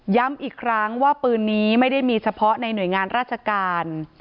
ย้ำอีกครั้งว่าปืนนี้ไม่ได้มีเฉพาะในหน่วยงานราชการ